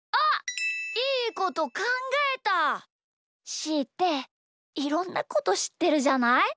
しーっていろんなことしってるじゃない？